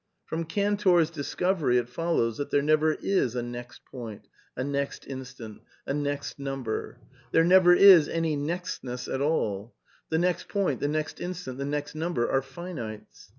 From Cantor's discovery it follows that there never is a next point, a neAtr/^ instant, a next number ; there never is any nextness at allr The next point, the next instant, the next number, are finites.